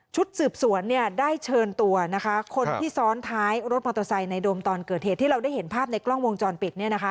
สืบสวนได้เชิญตัวนะคะคนที่ซ้อนท้ายรถมอเตอร์ไซค์ในโดมตอนเกิดเหตุที่เราได้เห็นภาพในกล้องวงจรปิด